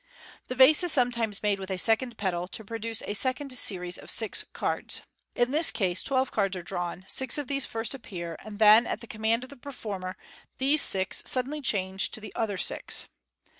The vase is sometimes made with a second pedal, to produce a second series of six cards. In this case twelve cards are drawn 5 six of these first appear, and then, at the command of the performer, these Fig. 285. 458 MODERN MAGIC. six suddenly change to the other six.